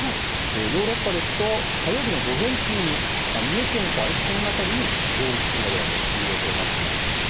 ヨーロッパですと火曜日の午前中に三重県か愛知県辺りに上陸するのではという予想になっています。